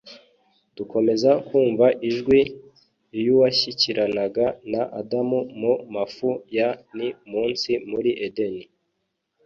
dukomeza kumva ijwi iy’Uwashyikiranaga na Adamu mu mafu ya ni munsi muri Edeni.